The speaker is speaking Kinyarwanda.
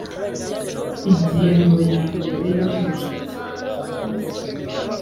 ingingo ya mbere yo kumushakira ikibanza